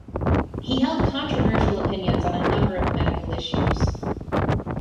He held controversial opinions on a number of medical issues.